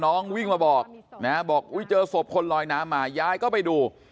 วิ่งมาบอกนะบอกอุ้ยเจอศพคนลอยน้ำมายายก็ไปดู